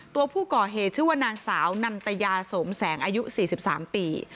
ตัวผู้ก่อเหตุชื่อว่านางสาวนันตยาสมแสงอายุ๔๓ปี